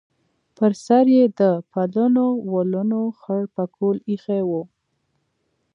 پر سر یې د پلنو ولونو خړ پکول ایښی و.